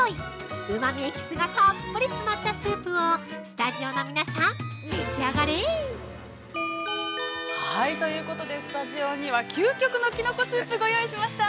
うまみエキスがたっぷり詰まったスープをスタジオの皆さん、召し上がれ◆ということで、スタジオには、究極のきのこスープをご用意しました。